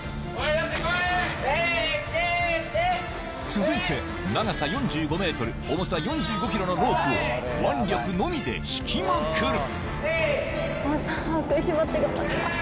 続いて長さ４５ｍ重さ４５ｋｇのロープを腕力のみで引きまくる！